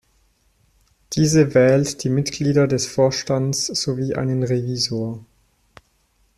Diese wählt die Mitglieder des Vorstands sowie einen Revisor.